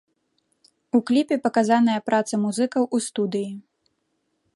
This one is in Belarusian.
У кліпе паказаная праца музыкаў у студыі.